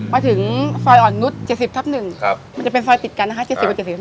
มาถึงซอยอ่อนนุษฐ์๗๐ทับ๑มันจะเป็นซอยติดกัน๗๐ทับ๑